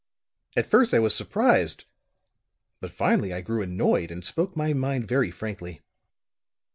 At first I was surprised; but finally I grew annoyed, and spoke my mind very frankly.